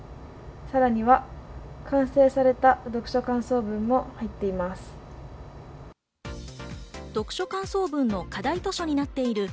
さらには完成された読書感想文も入っています。